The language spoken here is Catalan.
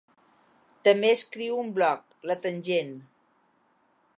També escriu un bloc, La tangent.